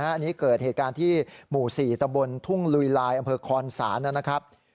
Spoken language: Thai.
อันนี้เกิดเหตุการณ์ที่หมู่๔ตะบนทุ่งลุยลายอำเภอคอนศาลนะครับ